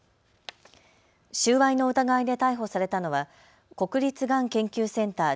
収賄の疑いで逮捕されたのは国立がん研究センター